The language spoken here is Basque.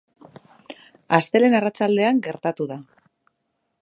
Astelehen arratsaldean gertatu da.